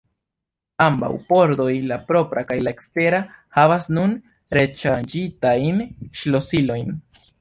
Ambaŭ pordoj, la propra kaj la ekstera, havas nun reŝanĝitajn ŝlosilojn.